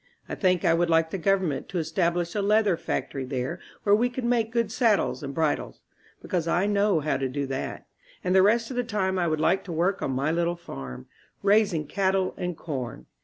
I think I would like the government to establish a leather fac tory there where we could make good saddles and bri dles, because I know how to do that; and the rest of the time I would like to work on my little farm, raising cattle and corn.